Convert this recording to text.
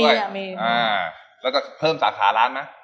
มีอ่ะมีอ่าแล้วจะเพิ่มสาขาร้านไหม